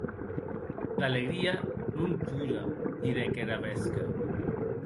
D’alegria non pura, didec er avesque.